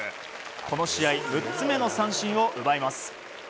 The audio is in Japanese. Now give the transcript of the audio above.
この試合６つ目の三振を奪います。